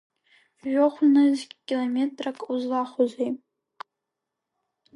Жәохә нызқь километрак узлахәозеи!